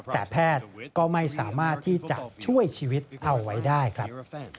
แต่แพทย์ก็ไม่สามารถที่จะช่วยชีวิตเอาไว้ได้ครับ